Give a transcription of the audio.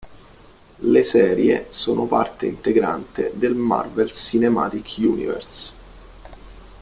Le serie sono parte integrante del Marvel Cinematic Universe.